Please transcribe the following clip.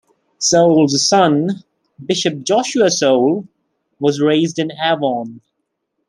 Soule's son, Bishop Joshua Soule, was raised in Avon.